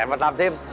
và làm thêm